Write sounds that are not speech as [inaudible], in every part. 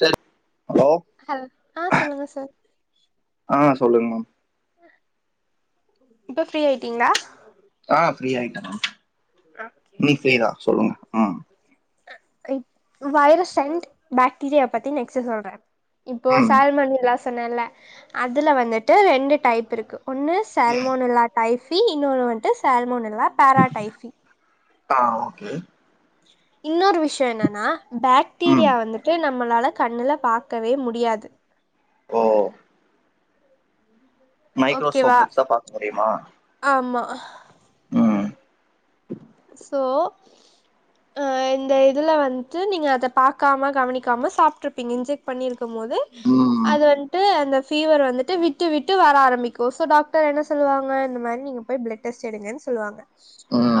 சேரி hello hello ஆ சொல்லுங்க சார் ஆ சொல்லுங்கணா இப்ப ஃப்ரீ ஆயிட்டீங்களா ஆ ஃப்ரீ ஆயிட்ட மேம் ஓகே இன்னைக்கு ஃப்ரீ தான் சொல்லுங்க ம் வைரஸ் சென்ட் பாக்டீரியா பத்தி நெக்ஸ்ட் சொல்றே இப்ப ம் சார்மண் விலாசன்னல அதுல வந்துட்டு ரெண்டு டைப் இருக்கு ஒன்னு ஸ் சல்மோனல்லா டைஃபி இன்னொன்னு வன்ட்டு சல்மோனல்லா பேராடைஃபி ஆ ஓகே இன்னொரு விஷயோ என்னன்னா ம் பாக்டீரியா வந்துட்டு நம்மளால கண்ணுல பாக்கவே முடியாது ஓ [unintelligible] மைக்ரோஸ்கோப் ஓகேவா வெச்சு தா பாக்க முடியுமா ஆமா ம் சோ அ இந்த இதுல வந்ட்டு நீங்க அத பாக்காம கவனிக்காம சாப்ட்ருப்பீங்க இன்ஜெக் பண்ணிருக்கு போது ம் அது வந்ட்டு அந்த ஃபீவர் வந்துட்டு விட்டு விட்டு வர ஆரம்பிக்கு ஸோ டாக்டர் என்ன சொல்லுவாங்க இந்த மாரி நீங்க போய் ப்ளட் டெஸ்ட் எடுங்கன்னு சொல்லுவாங்க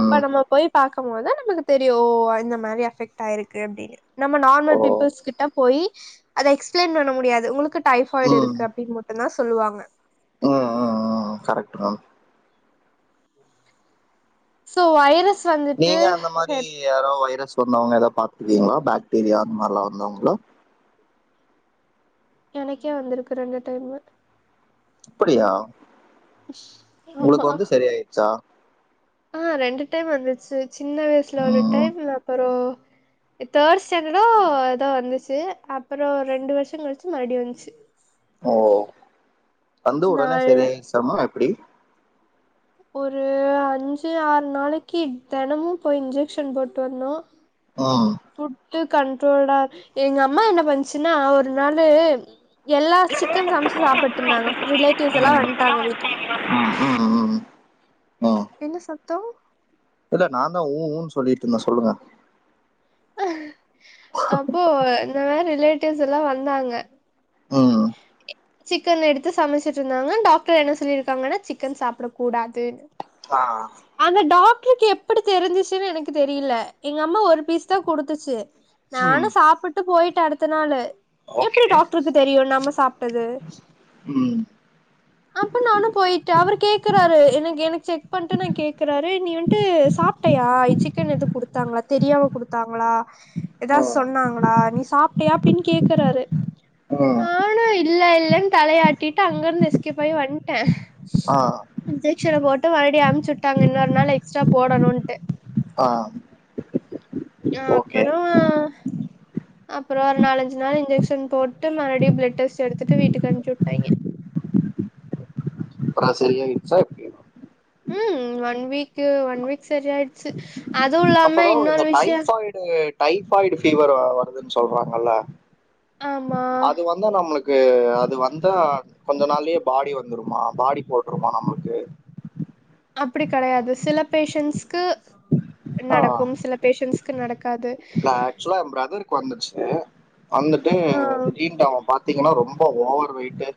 அப்ப நம்ம போய் பாக்க போது நமக்கு தெரியோ ஓ இந்த மா இந்த மாரி எபெக்ட்டா ஆயிருக்கு அப்டின்னு நம்ம ஓ நார்மல் பீபிள்ஸ் கிட்ட போயி அத எக்ஸ்பிளை பண்ண முடியாது உங்களுக்கு டைஃபாய்டு ம் ம் இருக்கு அப்டின்னு மட்டு தா சொல்லுவாங்க ஆ கரெக்ட்டு தா சோ வைரஸ் வந்துட்டு நீங்க அந்த மாரி எப் யாரோ வைரஸ் வந்தவங்க ஏதோ பாத்தருக்கீங்ளா பாக்டீரியா அந்த மாரிலா வந்தவங்களோ எனக்கே வந்திருக்கு ரெண்டு டைமு அப்டியா உங்களுக்கு ஆமா வந்து சரியாருச்சா ஆ ரெண்டு டைம் வந்துச்சு சின்ன வயசுல ஒரு ம் டைம்ல அப்பறோ தேர்ட் ஸ்டாண்டடோ ஏதோ வந்துச்சு அப்றோ ரெண்டு வருஷோ கழிச்சு மறுபடியு வந்துச்சு ஓ வந்து உடனே நாள் சரியாயிடுச்சாமா எப்டி ஒரு அஞ்சு ஆறு நாளைக்கி தெனமு போய் இன்ஜெக்ஷன் போட்டு வந்தோ ஆ ஃபுட்டு கண்ட்ரோல்டா எங்க அம்மா என்ன பண்ச்சுன்னா ஒரு நாளு எல்லா சிக்கன் சமச்சு சாப்பட்டு இருந்தாங்க ரிலேட்டிவ்ஸ் எல்லா ம் வந்ட்டாங்க வீட்டுக்கு ம் ம் ம் அ என்ன சத்தோ இல்ல நா தா உ உனு சொல்லிட்டு இருந்தே சொல்லுங்க அப்போ இந்த மாரி ரிலேட்டிவ்ஸ் எல்லா வந்தாங்க ம் [unintelligible] சிக்கன் எடுத்து சமச்சிட்டு இருந்தாங்க டாக்டர் என்ன சொல்லிருக்காங்கன்னா சிக்கன் சாப்டக் கூடாது ஆ அந்த டாக்டருக்கு எப்டி தெரிஞ்சிச்சுன்னு எனக்கு தெரியில எங்க அம்மா ஒரு பீஸ் தா குடுத்துச்சு நானு ம் சாப்புட்டு போயிட்ட அடுத்த நாளு எப்டி ஓகே டாக்டருக்கு தெரியு நம்ம சாப்ட்டது ம் அப்ப நானு போய்ட்டு அவரு கேக்குறாரு எனக்கு எனக்கு செக் பண்ணிட்டு நா கேக்குறாரு நீ வன்ட்டு சாப் முட்டையா சிக்கன் எது குடுத்தாங்ளா தெரியாம குடுத்தாங்களா ஏதா ஆ சொன்னாங்களா நீ சாப்ட்டியா அப்பின் கேக்குறாரு ஆ நானு இல்ல இல்லன்னு தலையாட்டிட்டு அங்க இருந்து எஸ்கேப் ஆய் வன்ட்ட அ இன்ஜெக்ஷனப் போட்டு மறுபடியு அம்ச்சு உட்டாங்க இன்னொரு நாள் எக்ஸ்ட்ரா போடணுன்ட்டு அ அ அப்பறோ அப்பறோ ஒரு நாலஞ்சு நாள் இன்ஜெக்ஷன் போட்டு மறுபடியு பிளட் டெஸ்ட் எடுத்துட்டு வீட்டுக்கு அம்ச்சு உட்டாயிங்க அப்றோ சரியாயிடுச்சா இ ம் ஒன் வீக் ஒன் வீக் சரியா ஆயிடுச்சு அதுவும் இல்லாம இன்னொரு விஷய டைபாய்டு ஃபீவர் வருதுன்னு சொல்றாங்கள ஆமா அது வந் தா நம்ளுக்கு அது வந்தா கொஞ்ச நாள்ளயே பாடி வந்துருமா பாடி போட்டுருமா நம்ளுக்கு அப்டி கெடையாது சில பேஷன்ஸ்கு ஆ நடக்கு சில பேஷன்ஸ் க்கு நடக்காது ஆக்சுலா ஏ ப்ரதருக்கு வந்துச்சு அந்த டைம் ஆ திடீர்னு அவ பா த்தீங்கன்னா ரொம்ப ஓவர் வெயிட்டு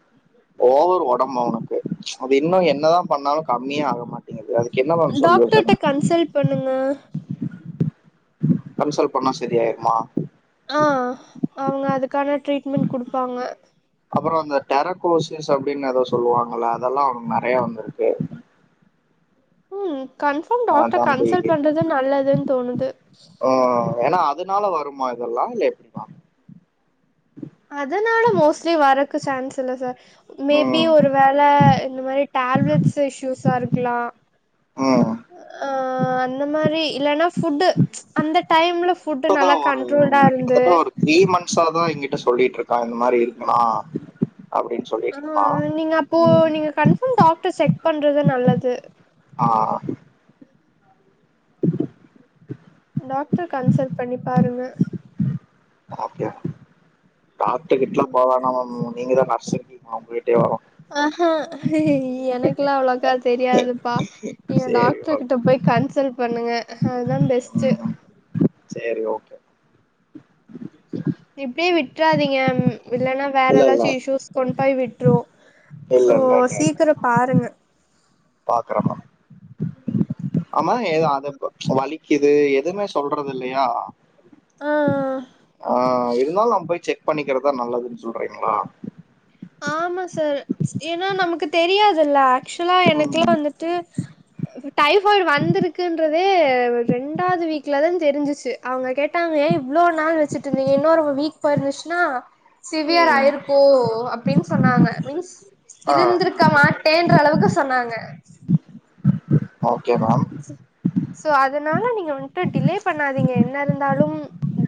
ஓவர் ஒடம்பு அவனுக்கு அது இன்னு என்னதா பண்ணாலு கம்மியா ஆகமாட்டேங்குது அது டாக்டர்ட கன்சல் பண்ணுங்க கன்சல் பண்ணா சரி ஆயிருமா ஆ அவங்க அதுக்கான ட்ரீட்மெண்ட் குடுப்பாங்க அப்புற அந்த டெரகோசிஸ் அப்டின்னு ஏதோ சொல்லுவாங்கள அதெல்லா அவனுக்கு நெறைய வந்திருக்கு ம் கன்ஃபார்ம் அஹ் டாக்ர கன்சல்ட் தம்பிக்கு பண்றது நல்லதுன் தோணுது அ ஏன்னா அதனால வருமா இதெல்லா இல்ல எப்டிமா அதனால மோஸ்ட்லி வறக்கு சான்ஸ் இல்ல சார் மேபி ம் ஒரு வேள இந்த மாரி டேப்லட் இஷ்யூஸா இருக்கலா ம் ஆ அந்த மாரி இல்லைன்னா ஃபுட்டு அந்த டைம்ல ஃபுட்டு நல்லா இப்பதான் ஒரு கண்ட்ரோல்டா இருந்து கிட்டத்தட்ட ஒரு த்ரீ மன்த்சாதா எங்கிட்ட சொல்லிட்ருக்கா இந்த மாரி இருக்குனா அப்டின்ட்டு ஆ நீங்க அப்போ நீங்க கன்ஃபர்ம் டாக்ர செக் பண்றது நல்லது ஆ டாக்ர கன்சல் பண்ணி பாருங்க அ அப்டியா டாக்ரு கிட்டலா ஆமா போவேணா மேம் நீங்கதா நர்ஸுன்ருங்களே உங்ககிட்டயே வரோ ஆ எனக்ளா அவ்ளோக்கா தெரியாதுப்பா நீங்க சரி டாக்ரு ஓகே கிட்ட போய் கன்சல் பண்ணுங்க அதா பெஸ் டு ம் சேரி ஓகே இப்டியே விட்றாதீங்க இல்லன்னா வேற இல்ல இல்ல ஏதாச்சு இஷ்யூஸ் கொண்டு போய் விட்ரு இல்ல சோ சீக்கிர பாருங்க பாக்கறேமா ஆமா ஏது அத ஆமா வலிக்குது எதுமே சொல்றது இல்லையா ஆ ஆ இருந்தாலு நா போய் செக் பண்ணிக்கிறதா நல்லதுன் சொல்றீங்ளா ஆமா சார் எனா நமக்குத் தெரியாதுல்ல ஆக்சுலா எனக்குலா ம் வந்துட்டு டைபாய்டு வந்துருக்குன்றதே ரெண்டாது வீக்லதாந் தெரிஞ்சிச்சு அவுங்க கேட்டாங்க எ இவ்ளோ நாள் வெச்சுட்ருந்தீங்க இன்னு ஒரு வீக் போயிருந்துச்னா சிவியர் ம் ஆயிருக்கு அப்டின் சொன்னாங்க மின்ஸ் ஆ இருந்திருக் க்க மாட்டேன்றளவுக்கு சொன்னாங்க ஓகே மேம் சோ அதனால நீங்க வன்ட்டு டிலே பண்ணாதீங்க என்ன இருந்தாலும்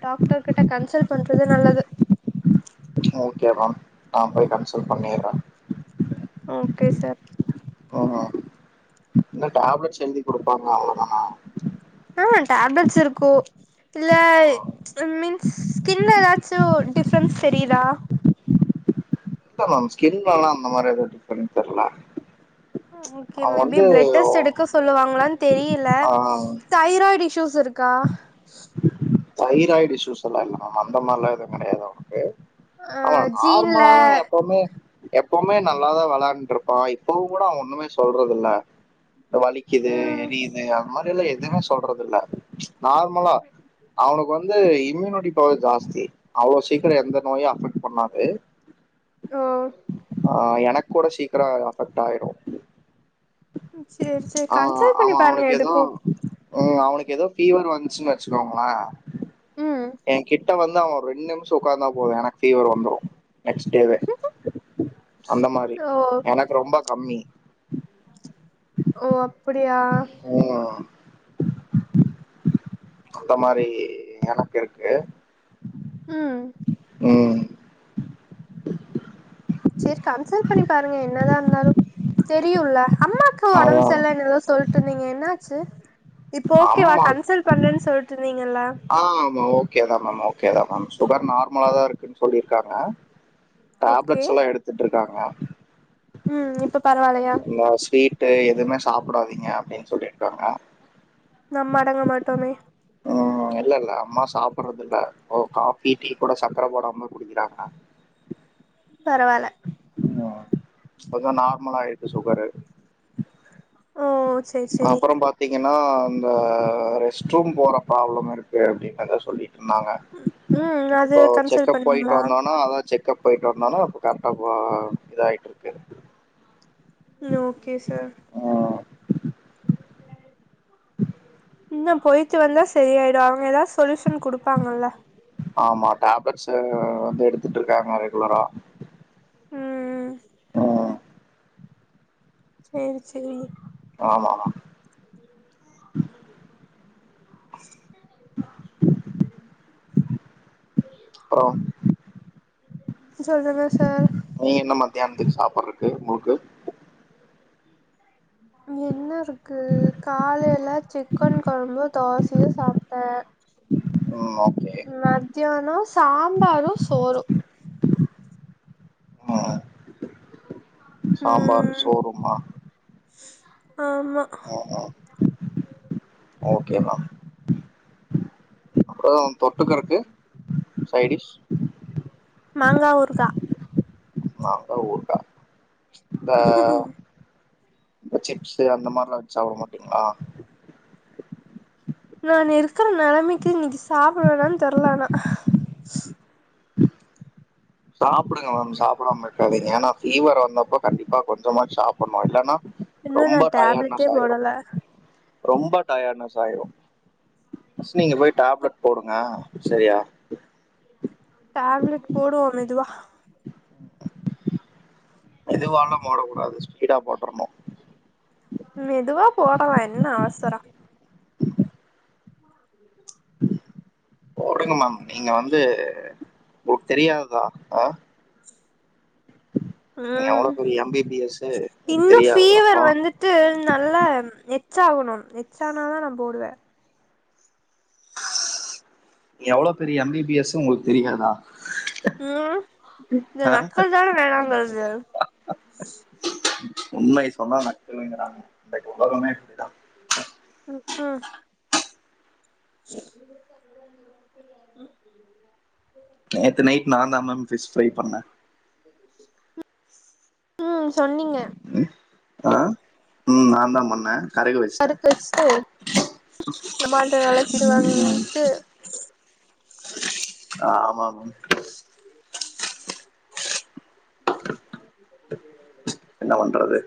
டாக்டர் கிட்ட கன்சல் பண்றது நல்லது ஓகே மேம் நா போய் கன்சல் பண்ணிர்றே ஓகே சார் ம் என்ன டேப்லெட்ஸ் எழுதி குடுப்பாங்க அவ்ளதானா அ டேப்லெட்ஸ் இருக்கு இல்ல மின்ஸ் ஸ்கின்ல எதாச்சு டிஃப்ரென்ஸ் தெரியிதா இப்பதாம் ஸ்கின்லலாம் அந்த மாரி எது டிஃப்ரென்ட் தெர்ல ஓகே அவ மே பி வந்து பிளட் டெஸ்ட் எடுக்க சொல்லுவாங்களான் தெரியில ஆ தைராய்டு இஸ்யூஸ் இருக் கா தைராய்டு இஷ்யூஸ் அல்லா இல்ல மேம் அந்த மார்லா எதுங் கெடையாது அவுனுக்கு ஆ அவே ஜீன்ல நார்மலாதா எப்போமே எப்போமே நல்லாதா வெளாண்ட்ருப்பா இப்பவுங்கூட அவே ஒன்னுமே சொல்றதில்ல இந்த வலிக்கிது ம் எரியிது அந்த மாதிரியெல்லா எதுவுமே சொல்றதில்ல நார்மலா அவுனுக்கு வந் ந்து இம்யூனிட்டி பவர் ஜாஸ்தி அவ்ளோ சீக்கிரோ எந்த நோயு அஃபெக்ட் பண்ணாது ஓ அ எனக் கூட சீக்ரோ அஃபெக்ட் ஆயிரு சேரி சேரி அ கன்சல்ட் அவே பண்ணி பாருங்க அவனுக்கு எது எதுக்கு ம் அவனுக்கு எதோ ஃபீவர் வந்ச்சுன் வெச்சுகோங்ளே ம் எங்கிட்ட வந்து அவே ரெண் நிம்ஷோ உக்காந்தா போது எனக் ஃபீவர் வந்துரு நெக்ஸ்ட் டேவே அந்த மாரி ஓ எனக்கு ரொம்ப கம்மி ஓ அப்புடியா ம் அந்த மாரி எனக்கு இருக்கு ம் ம் செரி கன்சல் பண்ணி பாருங்க என்னதா இந்தாலு தெரியுல்ல அம்மாக்கு ஒடம் அதா செல்லன் எதோ சொல் டுந்திங்க என்ன ஆச்சு இப்ப ஓகேவா அம்மா கன்சல் பண்ணன் சொல்ட்ருந்தீங்கல்ல ஆ ஆமா ஓகேதாம் மேம் ஓகேதாம் மேம் சுகர் நார்மலாதான இருக்குன் சொல்லிருக்காங்க ஓகே டேப்லெட்ஸ் எல்லா எடுத்துட்ருக்காங்க ம் இப்ப பரவாயில்லையா இன்னா ஸ்வீட் ட்டு எதுமே சாப்டாதீங்க அப்டின் சொல்லிர்க்காங்க நம்ம அடங்க மாட்டோமே ம் இல்ல இல்ல அம்மா சாப்பர்றதுல்ல ஒரு காஃபி டீ கூட சக்கர போடாம குடிகிறாங்க பரவால ம் இப்பதா நார்மலாயிருக்கு சுகரு ஓ சேரி சேரி அப்பறம் பாத் திங்கனா இந்த ரெஸ்ட் ரூம் போற ப்ராப்ளம் இருக்கு அப்டிகிர்த சொல்லிட் டிருந்தாங்க ம் அது இப்போ கன்சல்ட் செக்கப் போயிட்டு பண்ணீங்களா வந்தோனா அதாத் செக்கப் போயிட்டு வந்தானா அப்போ கரெக்ட்டா இப்ப இதாயிட்ருக்கு ஓகே சார் ஆ இல்ல போய் ட்டு வந்தா சரியாயிடும் அவங்க எதாவ்து சொல்யூஷன் குடுப்பாங்கள்ல ஆமா டேப்லெட்ஸ் வேற வந்து எடுத்துட்டு இருக்காங்க ரெகுலரா ம் ம் செரி சொல்லு ஆமாமா [unintelligible] அப்றோ [unintelligible] சொல்லுங்க சார் நீ என்ன மத்தியானத்துக்கு சாப்பிட்றக்கு உங்குள்க்கு என்ன இருக்கு காலையில சிக் கன் கொழம்பு தோசையு சாப்ட்ட ம் ஓகே மத்தியானம் சாம்பாரும் சோறும் ஆ சாம்பாரு ம் சோறுமா ஆமா அ அ ஓகே மா அப்புறம் தொட்டு கறக்கு சைடிஷ் மாங்கா ஊர்கா மாங்கா ஊர்கா தா இந்த சிப்ஸ்சு அந்த மாரிலா வச்சு சாப்ட மாட்டீங்ளா நான் இருக்கிற நெலமைக்கு இன்னிக்கி சாப்டுவேனா தெர்ல நா சாப்புடுங்க மேம் சாப்பிடாம இருக்காதீங்க ஏன்னா ஃபீவர் வந்தப்ப கண்டிப்பா கொஞ்சமா சாப்பின்னோ இல்லன்னா இன்னு நா ரொம்ப டயார்ட்னஸ் டேப்லெட்டே ஆய்ரு போடல ரொம்ப டயார்ட்னஸ் ஆயிரும் சோ நீங்க போய் டேப்லெட் போடுங்க சரியா டேப்லெட் போடுவோம் மெதுவா மெதுவாலா போடக்கூடாது ஸ்பீடா போட்டுற்னோ மெதுவா போடலா என்ன அவசரோ போடுங்க மேம் நீங்க வந்து உங்ளுக் தெரியாதா அ நீங்க ம் எவ்வளவு பெரிய எம்பிபிஎஸ் உங்களுக்கு இன்னும் தெரியாததா ஃபீவர் ஆ? வந்து ட்டு நல்லா மெச் ஆவுணு மெச் ஆனா தா நா போடுவ எவ்ளோ பெரிய எம் பி பி எஸ்சு உங்குளுக் தெரியாதா ம் இந்த நக்கல் தான வேணாங்கறது உண்மை சொன்னா நக்கல்ங்கிறாங்க இந்த உலகமே இப்டி தா ம் ம் ச நேத்து நைட் நான் தா மேம் ஃபிஷ் ஃப்ரை பண்ண ம் சொன்னீங்க ம் ஆ ம் நான் தா பண்ண கருக வஷ்ட்ட கருக்கு வச்சுட்டு அம்மாட்ட நல்லா திட்டு ம் ம் வாங்குவீன்ட்டு ஆமா ஆமா என்ன பண்றது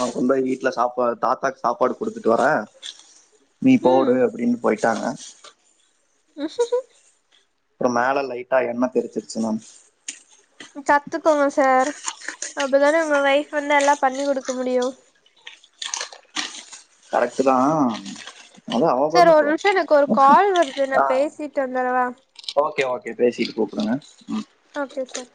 அவ கொண்டோய் வீட்ல சாப்பா தாத்தா சாப்பாடு குடுத்துட்டு வரே நீ ம் போடு அப்டின்னு போயிட்டாங்க ஹஹ அப்றொ மேல லைட்டா எண்ணெ தெரிச்சிருச்சு மேம் கத்துக்கோங்க சார் அப்பதான உங்க வொய்ஃப் வந்து எல்லா பண்ணி கொடுக்க முடியு கரெக்டு தா சார் ஒரு நிமிஷொ எனக்கு ஒரு கால் வருது நா ஆ பேசிட்டு வந்துடவா ஓகே ஓகே பேசிட்டு கூப்புடுங்க ஓகே சார்